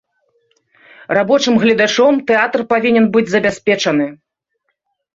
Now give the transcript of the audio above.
Рабочым гледачом тэатр павінен быць забяспечаны.